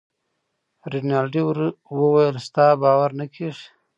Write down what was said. رینالډي وویل ستا باور نه کیږي.